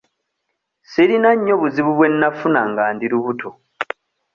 Sirina nnyo buzibu bwe nnafuna nga ndi lubuto.